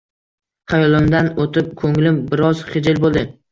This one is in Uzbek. Xayolimdan o‘tib, ko‘nglim biroz xijil bo‘ldi.